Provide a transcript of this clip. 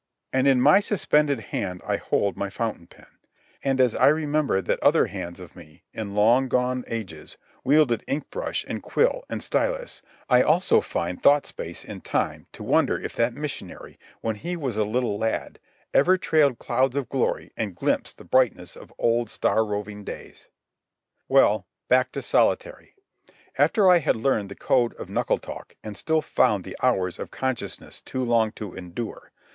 And in my suspended hand I hold my fountain pen, and as I remember that other hands of me, in long gone ages, wielded ink brush, and quill, and stylus, I also find thought space in time to wonder if that missionary, when he was a little lad, ever trailed clouds of glory and glimpsed the brightness of old star roving days. Well, back to solitary, after I had learned the code of knuckle talk and still found the hours of consciousness too long to endure.